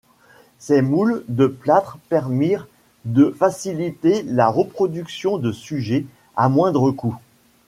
Ces moules de plâtre permirent de faciliter la reproduction de sujets à moindre coût.